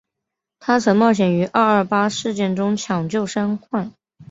她曾冒险于二二八事件中抢救伤患。